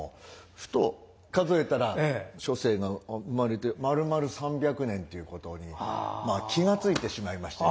ふと数えたら初世が生まれてまるまる３００年っていうことにまあ気が付いてしまいましてね。